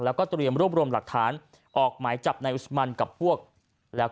แล้วก็เตรียมรวบรวมหลักฐานออกหมายจับนายอุศมันกับพวกแล้วก็